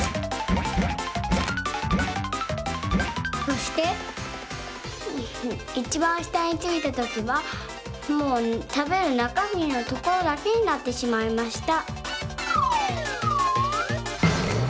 そしていちばんしたについたときはもうたべるなかみのところだけになってしまいました。